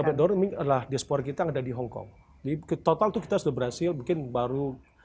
berdoa adalah di sebuah kita ada di hongkong di total tuh kita sudah berhasil mungkin baru